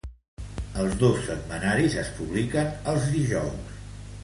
Els dos setmanaris es publiquen els dijous.